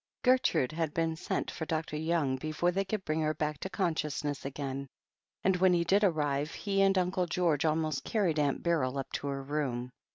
Gertrude had been sent for Dr. Young before they could bring her back to consciousness again, and when he did arrive, he and Uncle George almost carried Aunt Beryl up to her room.